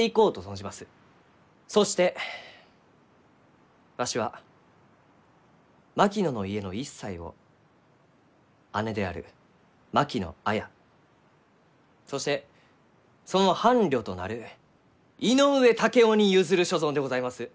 そしてわしは槙野の家の一切を姉である槙野綾そしてその伴侶となる井上竹雄に譲る所存でございます。